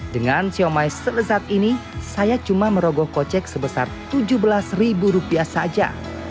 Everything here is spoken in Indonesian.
dengan siomay selesat ini saya cuma merogoh kocek sebesar tujuh belas ribu rupiah saja